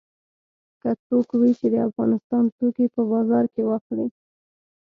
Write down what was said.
که څوک وي چې د افغانستان توکي په بازار کې واخلي.